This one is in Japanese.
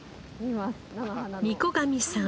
御子神さん